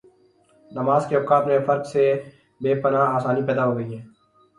نمازکے اوقات میں فرق سے بے پناہ آسانی پیدا ہوگئی ہے۔